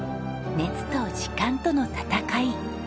熱と時間との闘い。